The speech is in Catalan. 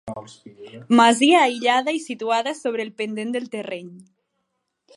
Masia aïllada i situada sobre el pendent del terreny.